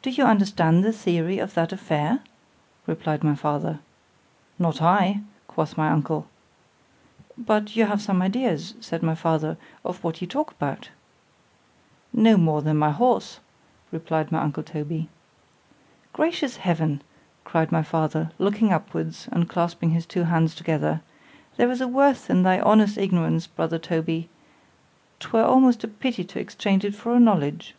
Do you understand the theory of that affair? replied my father. Not I, quoth my uncle. —But you have some ideas, said my father, of what you talk about? No more than my horse, replied my uncle Toby. Gracious heaven! cried my father, looking upwards, and clasping his two hands together——there is a worth in thy honest ignorance, brother Toby——'twere almost a pity to exchange it for a knowledge.